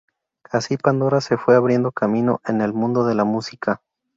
Así Pandora se fue abriendo camino en el mundo de la música.